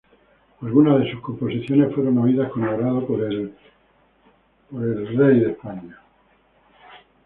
Algunas de sus composiciones fueron oídos con agrado por el rey de España.